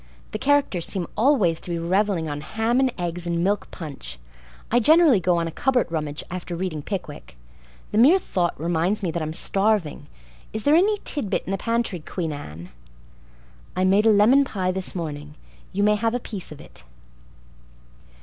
The characters seem always to be reveling on ham and eggs and milk punch. I generally go on a cupboard rummage after reading Pickwick. The mere thought reminds me that I'm starving. Is there any tidbit in the pantry, Queen Anne?" "I made a lemon pie this morning. You may have a piece of it."